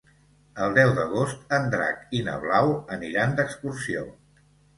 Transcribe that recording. El deu d'agost en Drac i na Blau aniran d'excursió.